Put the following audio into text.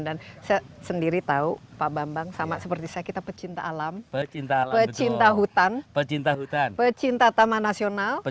saya sendiri tahu pak bambang sama seperti saya kita pecinta alam pecinta hutan pecinta taman nasional